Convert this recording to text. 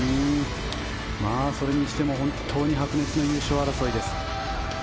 それにしても本当に白熱の優勝争いです。